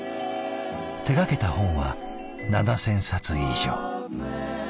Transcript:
手がけた本は７，０００冊以上。